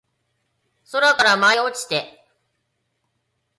空から舞い落ちて